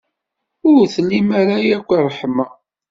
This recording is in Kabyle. Ur tlim ara akk ṛṛeḥma.